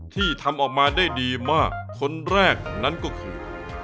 ที่ทำออกมาได้ดีมากคนแรกนั้นก็คือ